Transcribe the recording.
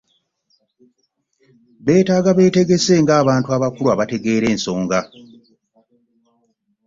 Beetaaga bateese ng'abantu abakulu abategeera ensonga.